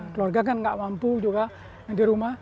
keluarga kan nggak mampu juga di rumah